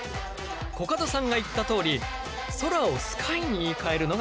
コカドさんが言ったとおりソラをスカイに言いかえるのがポイント！